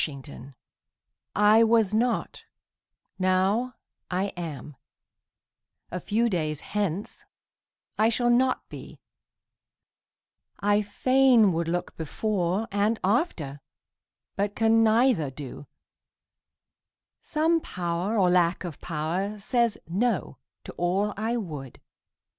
THE MYSTERY I was not; now I am a few days hence I shall not be; I fain would look before And after, but can neither do; some Power Or lack of power says "no" to all I would.